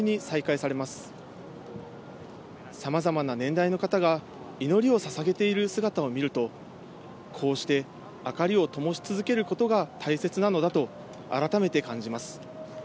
さまざまな年代の方が祈りをささげている姿を見ると、こうして、あかりを灯し続けることが大切なのだと改めて感じます。